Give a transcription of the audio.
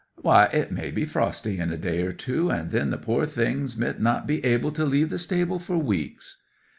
Why, it may be frosty in a day or two, and then the poor things mid not be able to leave the stable for weeks."